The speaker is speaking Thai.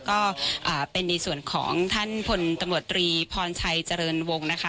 ก็เป็นในส่วนของท่านธพลตรีพรชัยเจริญวงนะคะ